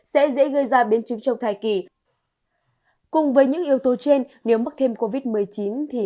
sẽ dễ gây ra biến chứng trong thai kỳ cùng với những yếu tố trên nếu mắc thêm covid một mươi chín thì